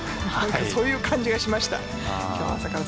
そんな感じがしました。